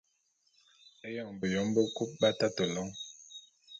Éyoň beyom bekub b’atate lôň.